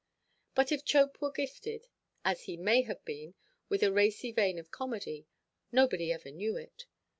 But if Chope were gifted, as he may have been, with a racy vein of comedy, nobody ever knew it.